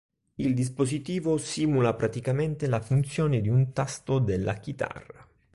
Il dispositivo simula praticamente la funzione di un tasto della chitarra.